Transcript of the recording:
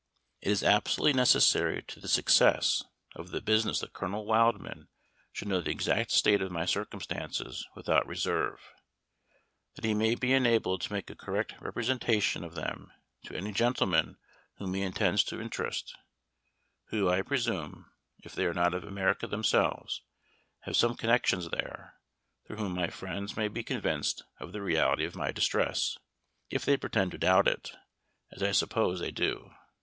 It is absolutely necessary to the success of the business that Colonel Wildman should know the exact state of my circumstances without reserve, that he may be enabled to make a correct representation of them to any gentleman whom he intends to interest, who, I presume, if they are not of America themselves, have some connections there, through whom my friends may be convinced of the reality of my distress, if they pretend to doubt it, as I suppose they do.